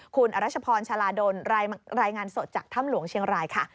คุณอรัชพรชาลาดลรายงานสดจากถ้ำหลวงเชียงรายค่ะ